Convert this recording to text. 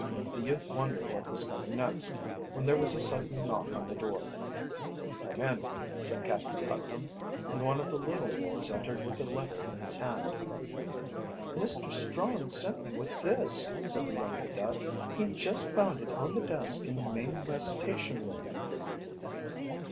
The youth wondered what was coming next, when there was a sudden knock on the door. "Come in," said Captain Putnam, and one of the little boys entered with a letter in his hand. "Mr. Strong sent me with this," said the young cadet. "He just found it on the desk in the main recitation room."